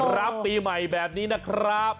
รับปีใหม่แบบนี้นะครับ